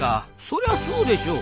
そりゃそうでしょ！